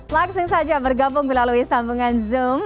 langsung saja bergabung melalui sambungan zoom